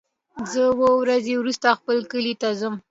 زه اووه ورځې وروسته خپل کلی ته ځم.